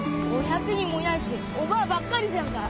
５００人もいないしおばぁばっかりじゃんか。